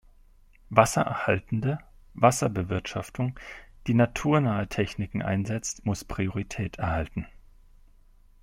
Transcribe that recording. Wassererhaltende Wasserbewirtschaftung, die naturnahe Techniken einsetzt, muss Priorität erhalten.